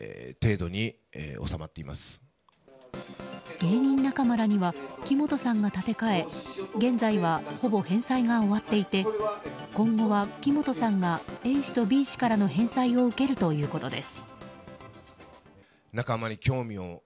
芸人仲間らには木本さんが立て替え現在は、ほぼ返済が終わっていて今後は木本さんがＡ氏とＢ氏から返済を受けるということです。